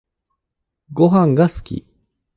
ごはんが好き